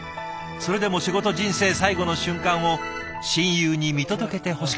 それでも仕事人生最後の瞬間を親友に見届けてほしかった。